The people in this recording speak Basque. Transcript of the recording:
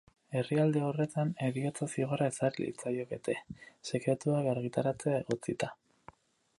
Herrialde horretan, heriotza zigorra ezarri liezaiokete, sekretuak argitaratzea egotzita.